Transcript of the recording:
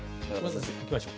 いきましょう。